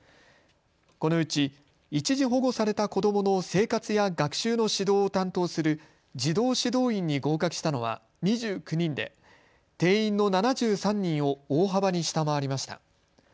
このうち一時保護された子どもの生活や学習の指導を担当する児童指導員に合格したのは２９人で定員の７３人を大幅に下回りました。